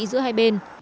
giữa hai bên